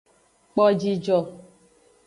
Kpo jijo.